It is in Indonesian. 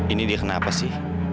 ini dia kenapa sih